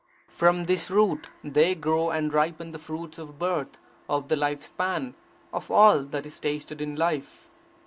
From this root there grow and ripen the fruits of birth, of the life span, of all that is tasted in life.